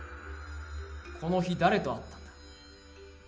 この日、誰と会った？